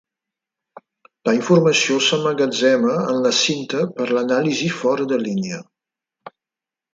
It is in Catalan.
La informació s'emmagatzema en la cinta per a l'anàlisi fora de línia.